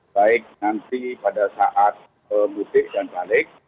baik nanti pada saat mudik dan balik